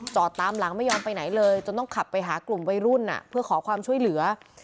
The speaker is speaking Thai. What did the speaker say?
ตามหลังไม่ยอมไปไหนเลยจนต้องขับไปหากลุ่มวัยรุ่นเพื่อขอความช่วยเหลือ